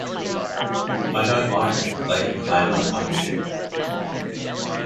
I don't like it, but they can claim ownership.